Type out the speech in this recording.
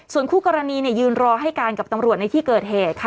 ส่วนคู่กรณียืนรอให้การกับตำรวจในที่เกิดเหตุค่ะ